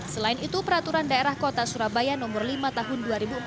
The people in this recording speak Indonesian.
selain itu peraturan daerah kota surabaya nomor lima tahun dua ribu empat belas